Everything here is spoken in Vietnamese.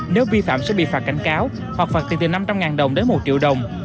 nếu vi phạm sẽ bị phạt cảnh cáo hoặc phạt tiền từ năm trăm linh đồng đến một triệu đồng